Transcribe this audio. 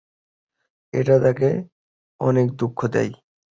এটা তাকে অনেক দুঃখ দেয়।